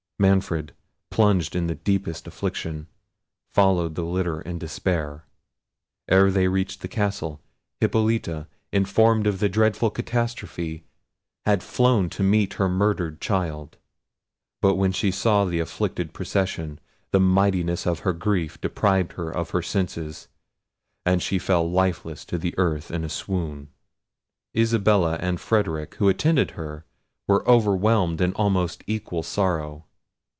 Manfred, plunged in the deepest affliction, followed the litter in despair. Ere they reached the castle, Hippolita, informed of the dreadful catastrophe, had flown to meet her murdered child; but when she saw the afflicted procession, the mightiness of her grief deprived her of her senses, and she fell lifeless to the earth in a swoon. Isabella and Frederic, who attended her, were overwhelmed in almost equal sorrow.